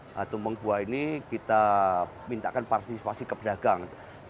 nah tumpeng buah ini kita mintakan partisipasi ke pedagang